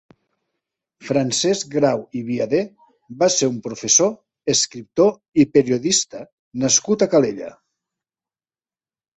Francesc Grau i Viader va ser un professor, escriptor i periodista nascut a Calella.